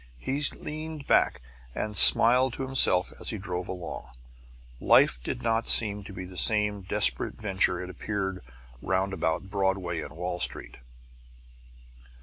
He leaned back and smiled to himself as he drove along. Life did not seem to be the same desperate venture it appears round about Broadway and Wall Street.